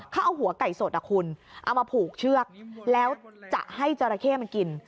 เขาเอาหัวไก่สดอ่ะคุณเอามาผูกเชือกแล้วจะให้จราเข้มันกิน